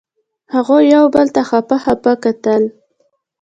هغوی یو بل ته خپه خپه کتل.